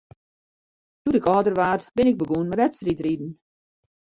Doe't ik âlder waard, bin ik begûn mei wedstriidriden.